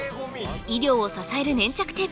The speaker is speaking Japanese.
医療を支える粘着テープ